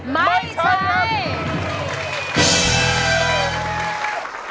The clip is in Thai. ไม่ใช่